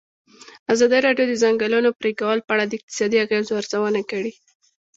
ازادي راډیو د د ځنګلونو پرېکول په اړه د اقتصادي اغېزو ارزونه کړې.